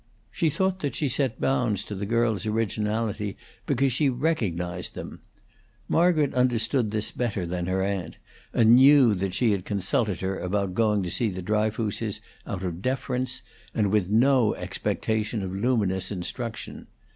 She thought that she set bounds to the girl's originality because she recognized them. Margaret understood this better than her aunt, and knew that she had consulted her about going to see the Dryfooses out of deference, and with no expectation of luminous instruction.